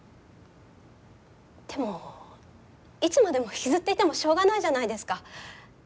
でもいつまでも引きずっていてもしょうがないじゃないですか。